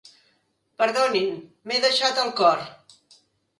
Perdonin, m'he deixat el cor.